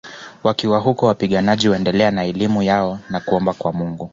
Wakiwa huko wapiganaji huendelea na elimu yao na kuomba kwa Mungu